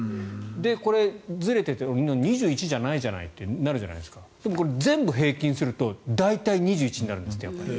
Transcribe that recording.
これ、ずれていて２１じゃないじゃないとなるんですがでも、全部平均すると大体２１になるんですって。